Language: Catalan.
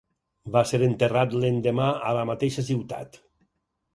Va ser enterrat l'endemà a la mateixa ciutat.